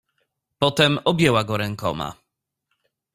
"Potem objęła go rękoma."